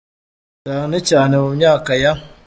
cyane cyane mu myaka ya.